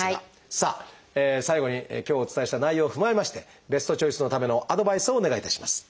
さあ最後に今日お伝えした内容を踏まえましてベストチョイスのためのアドバイスをお願いいたします。